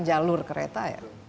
jalur kereta ya